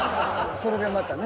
それでまたね。